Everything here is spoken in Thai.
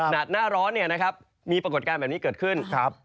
หนาดหน้าร้อนมีปรากฏการณ์แบบนี้เกิดขึ้น